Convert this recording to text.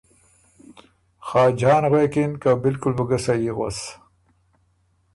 “ خاجان غوېکِن که ”بالکل بُو ګه صحیح غؤس“